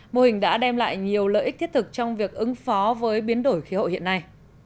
mô hình đã đem lại nhiều lợi ích thiết thực trong việc ứng phó với biến đổi khí hậu hiện nay